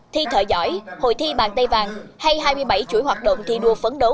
thi thợ giỏi hội thi bàn tay vàng hay hai mươi bảy chuỗi hoạt động thi đua phấn đấu